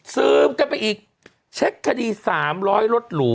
ซึมกันไปอีกเช็คคดี๓๐๐รถหรู